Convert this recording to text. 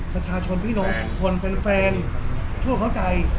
ประชาชนพี่น้องทุกคนแฟนทุกคนเข้าใจ